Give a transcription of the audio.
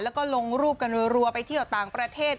แล้วก็ลงรูปกันรัวไปเที่ยวต่างประเทศ